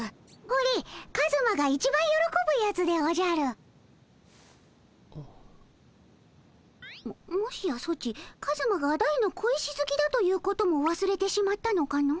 ほれカズマがいちばんよろこぶやつでおじゃる。ももしやソチカズマが大の小石ずきだということもわすれてしまったのかの。